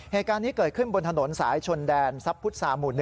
เหตุการณ์นี้เกิดขึ้นบนถนนสายชนแดนทรัพย์พุทธศาหมู่๑